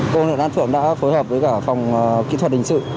công an đan phượng đã phối hợp với cả phòng kỹ thuật hình sự